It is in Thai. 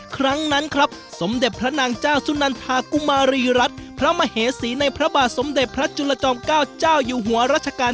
ครั้งนั้นครับสมเด็จพระนางเจ้าสุนันทากุมารีรัฐพระมเหสีในพระบาทสมเด็จพระจุลจอมเก้าเจ้าอยู่หัวรัชกาล